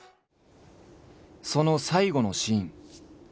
その最期のシーン。